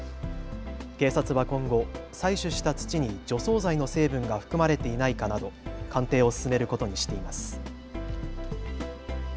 警察は今後、採取した土に除草剤の成分が含まれていないかなど鑑定を進めることにしています。